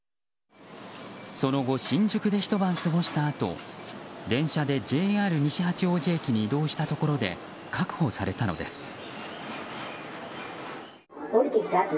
その後新宿でひと晩過ごしたあと電車でＪＲ西八王子駅に移動したところで確保されたのです。